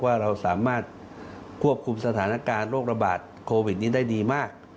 ว่าเราสามารถควบคุมสถานการณ์โรคระบาดโควิดนี้ได้ดีมาก